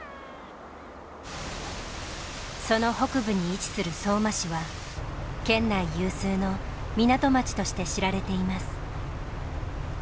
その北部に位置する相馬市は県内有数の港町として知られています。